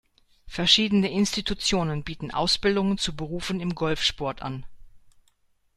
Verschiedene Institutionen bieten Ausbildungen zu Berufen im Golfsport an.